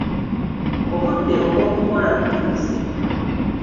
Obudde obw'okukola butuuse